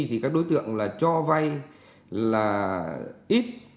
thì các đối tượng là cho vai là ít